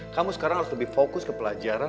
kamu sekarang harus lebih fokus ke pelajaran